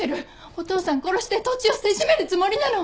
お父さん殺して土地をせしめるつもりなの。